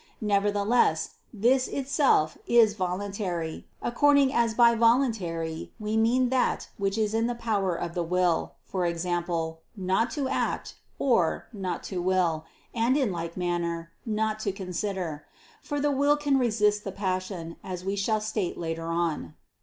Nevertheless, this itself is voluntary, according as by voluntary we mean that which is in the power of the will, for example "not to act" or "not to will," and in like manner "not to consider"; for the will can resist the passion, as we shall state later on (Q.